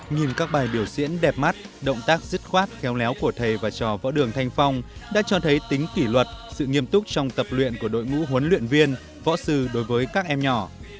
nhìn các bài biểu diễn đẹp mắt động tác dứt khoát khéo léo của thầy và trò võ đường thanh phong đã cho thấy tính kỷ luật sự nghiêm túc trong tập luyện của đội ngũ huấn luyện viên võ sư đối với các em nhỏ